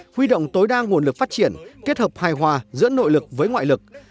huy động tối đa nguồn lực phát triển kết hợp hài hòa giữa nội lực với ngoại lực